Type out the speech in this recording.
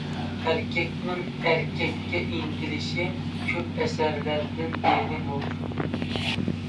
ئەركەكنىڭ ئەركەككە ئىنتىلىشى كۆپ ئەسىرلەردىن بېرى مەۋجۇت.